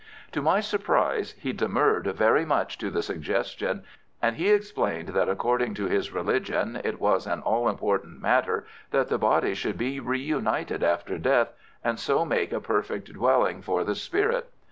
"To my surprise he demurred very much to the suggestion, and he explained that according to his religion it was an all important matter that the body should be reunited after death, and so make a perfect dwelling for the spirit.